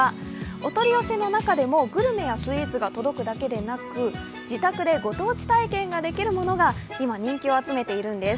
お取り寄せの中でも、グルメやスイーツが届くだけでなく自宅でご当地体験ができるものが今、人気を集めているんです。